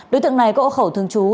đối tượng này có hỗ khẩu thường trú